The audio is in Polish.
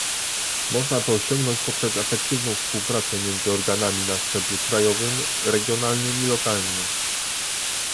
Można to osiągnąć poprzez efektywną współpracę między organami na szczeblu krajowym, regionalnym i lokalnym